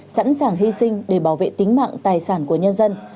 sẵn sàng hy sinh để bảo vệ tính mạng tài sản của nhân dân